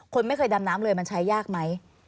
คนไม่เคยดำน้ำเลยมันใช้ยากไหม